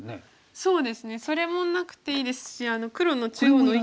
そうですねそれもなくていいですし黒の中央の１個も。